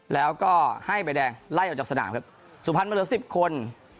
แล้วก็ให้ใบแดงไล่ออกจากสนามครับสุพรรณมาเหลือสิบคน